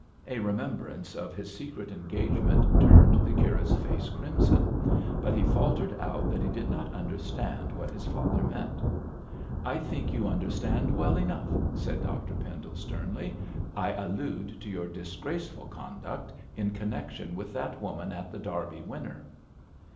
A remembrance of his secret engagement turned the curate's face crimson; but he faltered out that he did not understand what his father meant. 'I think you understand well enough,' said Dr Pendle, sternly. 'I allude to your disgraceful conduct in connection with that woman at The Derby Winner.'